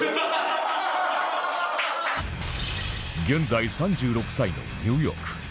現在３６歳のニューヨーク